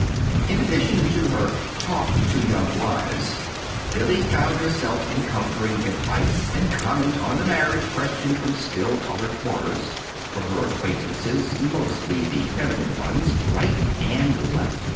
In addition to her "Talk to Young Wives," Billy found herself encountering advice and comment on the marriage question from still other quarters from her acquaintances (mostly the feminine ones) right and left.